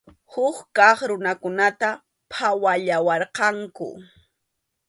Huk kaq runakunataq qhawallawarqanku.